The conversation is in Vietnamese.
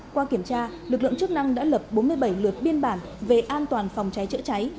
qua kiểm tra lực lượng chức năng đã lập bốn mươi bảy lượt biên bản về an toàn phòng cháy chữa cháy